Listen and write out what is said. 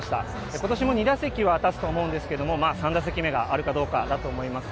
ことしも２打席は立つと思うんですけど、３打席目があるかどうかだと思います。